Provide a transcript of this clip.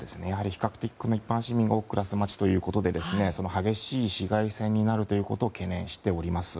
比較的、一般市民が多く暮らす街ということで激しい市街戦になるということを懸念しております。